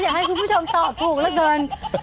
อยากให้คุณผู้ชมตอบถูกแล้วเกิน